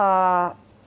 sebelum pak prabowo